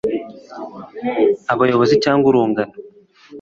abayobozi cyangwa urungano